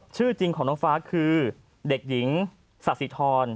ชื่อจริงของน้องฟ้าคือเด็กหญิงสาธิธร